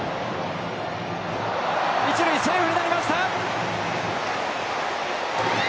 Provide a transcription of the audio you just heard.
一塁セーフになりました。